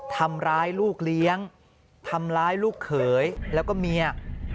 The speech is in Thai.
ทำร้ายลูกเลี้ยงทำร้ายลูกเขยแล้วก็เมีย